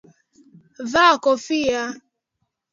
Vaa kofia